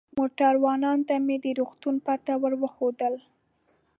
موټروان ته مې د روغتون پته ور وښودل.